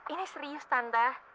ini serius tante